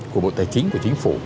của bộ tài chính của chính phủ